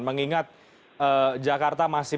mengingat jakarta masih